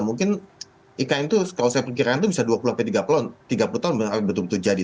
mungkin ikn itu kalau saya perkiraan itu bisa dua puluh tiga puluh tiga puluh tahun betul betul jadi